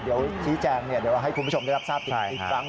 เดี๋ยวชี้แจงเดี๋ยวเราให้คุณผู้ชมได้รับทราบอีกครั้ง